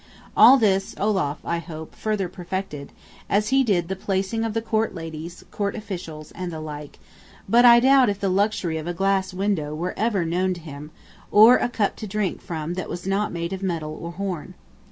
All this Olaf, I hope, further perfected, as he did the placing of the court ladies, court officials, and the like; but I doubt if the luxury of a glass window were ever known to him, or a cup to drink from that was not made of metal or horn.